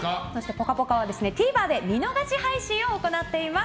「ぽかぽか」はＴＶｅｒで見逃し配信を行っています。